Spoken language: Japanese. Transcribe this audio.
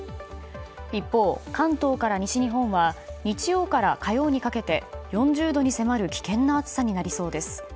一方、関東から西日本は日曜から火曜にかけて４０度に迫る危険な暑さになりそうです。